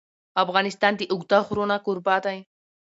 افغانستان د اوږده غرونه کوربه دی.